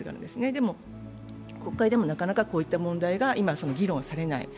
でも、国会でもなかなかこういった問題が今、議論されない。